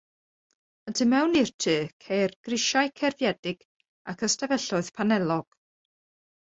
Y tu mewn i'r tŷ ceir grisiau cerfiedig ac ystafelloedd panelog.